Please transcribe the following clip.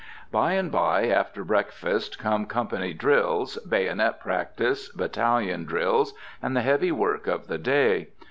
By and by, after breakfast, come company drills, bayonet practice, battalion drills, and the heavy work of the day.